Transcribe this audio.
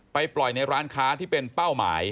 ปล่อยในร้านค้าที่เป็นเป้าหมาย